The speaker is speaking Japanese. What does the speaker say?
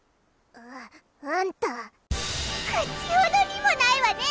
ああんた口程にもないわね！